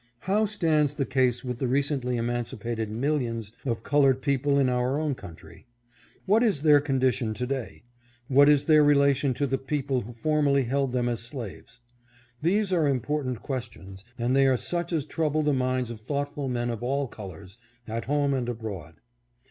How stands the case with the recently emancipated millions of colored people in our own country ? What ia their condition to day ? What is their relation to the people who formerly held them as slaves ? These are important questions, and they are such as trouble the minds of thoughtful men of all colors, at home and abroad.